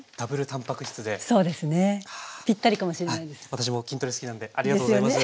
私も筋トレ好きなんでありがとうございます。